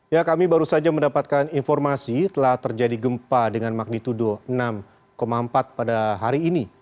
ya kami baru saja mendapatkan informasi telah terjadi gempa dengan magnitudo enam empat pada hari ini